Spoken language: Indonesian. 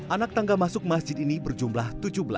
anak tangga masuk masjid ini berjumlah tujuh belas